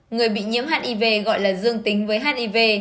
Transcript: người bị nhiễm hiv gọi là dương tính với hiv